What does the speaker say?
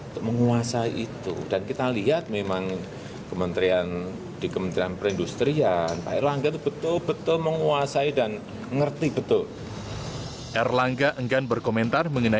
ya ini kan di dalam